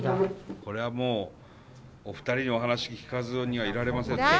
これはもうお二人の話聞かずにはいられません。